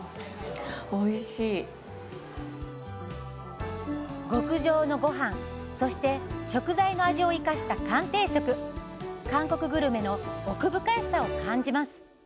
おいしい極上のごはんそして食材の味を生かした韓定食韓国グルメの奥深しさを感じます